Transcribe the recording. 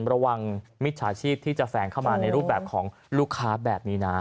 มิจฉาชีพที่จะแฝงเข้ามาในรูปแบบของลูกค้าแบบนี้นะ